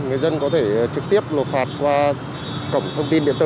người dân có thể trực tiếp nộp phạt qua cổng thông tin điện tử